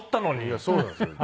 いやそうなんですよ。